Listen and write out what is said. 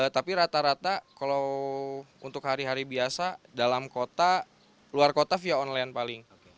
tapi rata rata kalau untuk hari hari biasa dalam kota luar kota via online paling